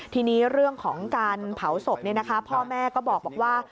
ทีนี้เรื่องของการเผาศพพ่อแม่ก็บอกว่า